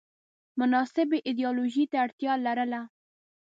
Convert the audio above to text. مناسبې ایدیالوژۍ ته اړتیا لرله